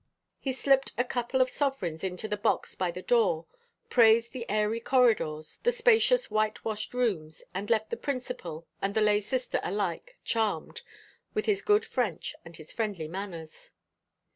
He slipped a couple of sovereigns into the box by the door, praised the airy corridors, the spacious whitewashed rooms, and left the principal and the lay sister alike charmed with his good French and his friendly manners.